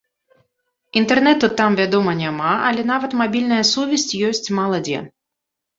Інтэрнэту там, вядома, няма, але нават мабільная сувязь ёсць мала дзе.